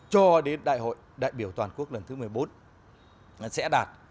cho đến đại hội đại biểu toàn quốc lần thứ một mươi bốn sẽ đạt